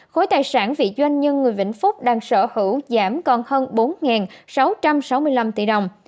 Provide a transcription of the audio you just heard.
khối tài sản vị doanh nhân người vĩnh phúc đang sở hữu giảm còn hơn bốn sáu trăm sáu mươi năm tỷ đồng